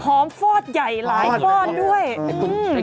หอมฟอดใหญ่ร้ายฟอดด้วย